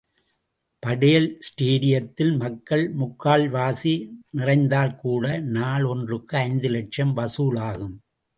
படேல் ஸ்டேடியத்தில் மக்கள் முக்கால்வாசி நிறைந்தால் கூட நாள் ஒன்றுக்கு ஐந்து லட்சம் வசூல் ஆகும்.